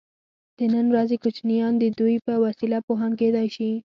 د نن ورځې کوچنیان د دوی په وسیله پوهان کیدای شي.